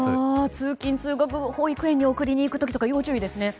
通勤・通学保育園に送りに行く時とか要注意ですね。